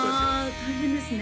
あ大変ですね